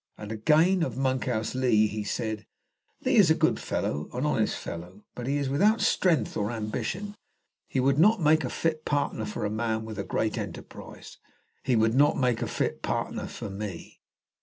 And again, of Monkhouse Lee, he said, "Lee is a good fellow, an honest fellow, but he is without strength or ambition. He would not make a fit partner for a man with a great enterprise. He would not make a fit partner for me."